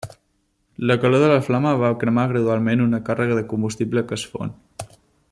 La calor de la flama va cremant gradualment una càrrega de combustible que es fon.